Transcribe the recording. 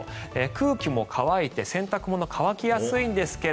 空気も乾いて洗濯物乾きやすいんですが。